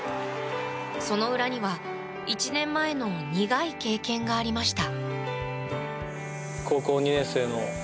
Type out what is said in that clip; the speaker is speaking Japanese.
その裏には１年前の苦い経験がありました。